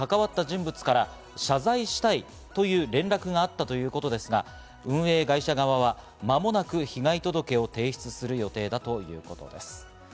その後、不適切動画に関わった人物から、謝罪したいという連絡があったということですが、運営会社側は間もなく、被害届を提出する予定だということです。